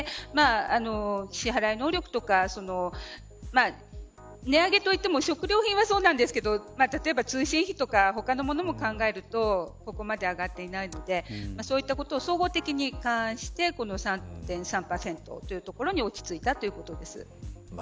支払い能力とか値上げといっても食料品はそうですが例えば、通信費とか他のものも考えるとここまで上がっていないのでそういったことを総合的に勘案して３．３％というところに落ち着いたということです。